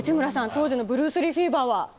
当時のブルース・リーフィーバーは。